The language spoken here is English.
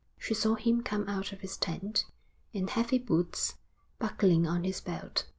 She saw him come out of his tent, in heavy boots, buckling on his belt.